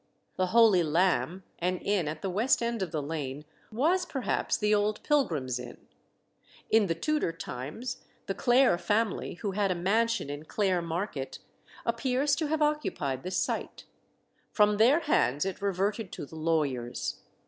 The Holy Lamb, an inn at the west end of the lane, was perhaps the old Pilgrims' Inn. In the Tudor times the Clare family, who had a mansion in Clare Market, appears to have occupied the site. From their hands it reverted to the lawyers.